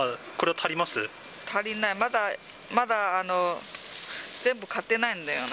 足りない、まだ全部買ってないんだよな。